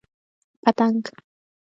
🦋 پتنګ